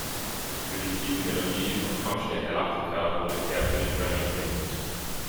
Für die Titelmelodie von "Kampfstern Galactica" wurde er für den Grammy nominiert.